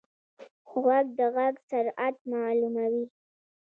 غوږ د غږ سرعت معلوموي.